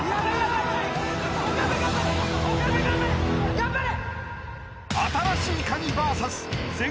頑張れ！